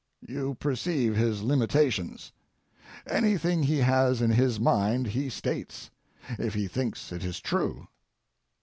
You perceive his limitations. Anything he has in his mind he states, if he thinks it is true.